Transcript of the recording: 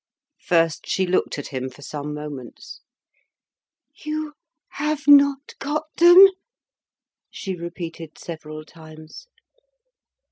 First she looked at him for some moments. "You have not got them!" she repeated several times.